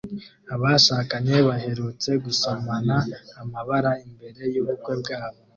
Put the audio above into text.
Abashakanye baherutse gusomana amabara imbere yubukwe bwabo